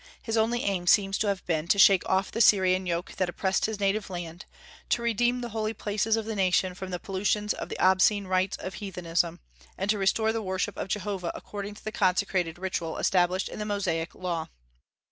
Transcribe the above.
His only aim seems to have been to shake off the Syrian yoke that oppressed his native land, to redeem the holy places of the nation from the pollutions of the obscene rites of heathenism, and to restore the worship of Jehovah according to the consecrated ritual established in the Mosaic Law.